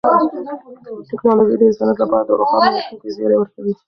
ټیکنالوژي د انسانیت لپاره د روښانه راتلونکي زیری ورکوي.